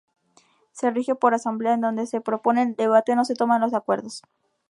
Se rige por asamblea en donde se proponen, debaten o se toman los acuerdos.